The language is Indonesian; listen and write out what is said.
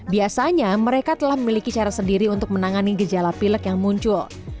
biasanya mereka telah memiliki cara sendiri untuk menangani gejala pilek yang muncul